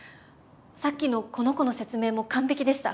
さっきのこの子の説明も完璧でした。